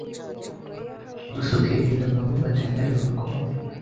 gusa ukirinda bamwe batemera urukundo